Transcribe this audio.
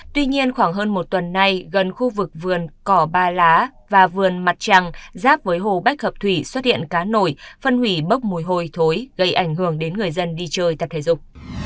tuy nhiên khoảng hơn một tuần nay gần khu vực vườn cỏ ba lá và vườn mặt trăng giáp với hồ bách hợp thủy xuất hiện cá nổi phân hủy bốc mùi hôi thối gây ảnh hưởng đến người dân đi chơi tập thể dục